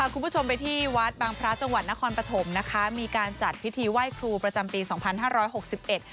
คุณผู้ชมไปที่วัดบางพระจังหวัดนครปฐมนะคะมีการจัดพิธีไหว้ครูประจำปีสองพันห้าร้อยหกสิบเอ็ด